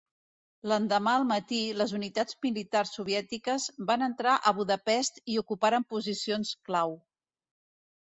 L'endemà al matí, les unitats militars soviètiques van entrar a Budapest i ocuparen posicions clau.